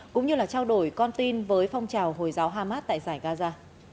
cũng như là trao đổi con tin với phong trào hồi giáo hamas tại giải gaza